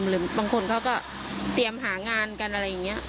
หรือบางคนเขาก็เตรียมหางานกันอะไรอย่างนี้